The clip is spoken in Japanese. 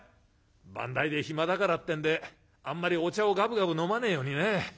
「番台で暇だからってんであんまりお茶をガブガブ飲まねえようにね。